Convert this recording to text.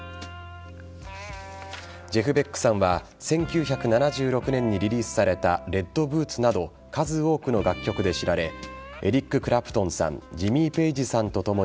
ジェフ・ベックさんは１９７６年にリリースされた「レッド・ブーツ」など数多くの楽曲で知られエリック・クラプトンさんジミー・ペイジさんとともに